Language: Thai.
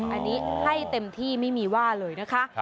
อันนี้ให้เต็มที่ไม่มีว่าเลยนะคะ